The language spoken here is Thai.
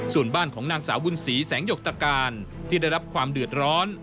ส่วนบ้านของนางสาวบุญศรีแสงหยกตรการที่ได้รับความเดือดร้อน